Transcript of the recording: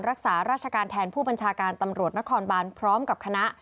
รักษาราชการแทนผู้บัญชาการตำรวจนครบานพร้อมกับคณะ